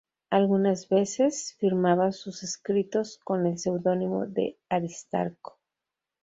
Algunas veces firmaba sus escritos con el seudónimo de Aristarco.